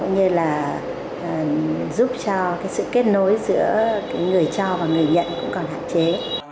người cho và người nhận cũng còn hạn chế